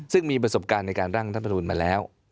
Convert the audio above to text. ซึ่งมีประสบการณ์ในการร่างรัฐประมูลมาแล้ว